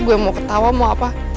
gue mau ketawa mau apa